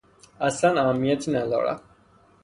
اصلا اهمیتی ندارد.